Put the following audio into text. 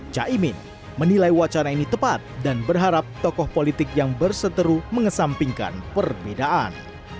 caimin menilai wacana ini tepat dan berharap tokoh politik yang berseteru mengesampingkan perbedaan